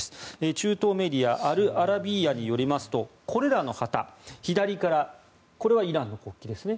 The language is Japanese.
中東メディアアル・アラビーヤによりますとこれらの旗、左からこれはイラン国旗ですね。